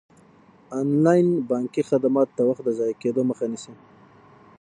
انلاین بانکي خدمات د وخت د ضایع کیدو مخه نیسي.